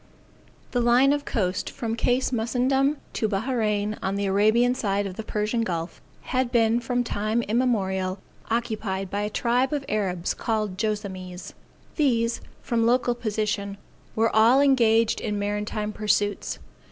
The line of coast from Cape Mussenndom to Bahrain, on the Arabian side of the Persian Gulf, had been from time immemorial occupied by a tribe of Arabs called Joassamees. These, from local position, were all engaged in maritime pursuits.